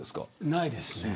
ないです。